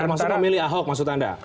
termasuk memilih ahok maksud anda